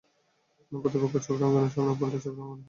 প্রতিপক্ষের চোখ রাঙানির সামনে পাল্টা চোখ রাঙানি দিতে ভুল করতেন না।